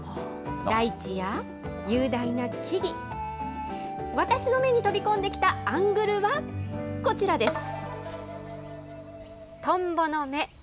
大地や雄大な木々、私の目に飛び込んできたアングルは、こちらです。